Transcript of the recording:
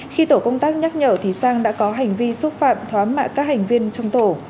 khi tổ công tác nhắc nhở thì sang đã có hành vi xúc phạm thám mạ các hành viên trong tổ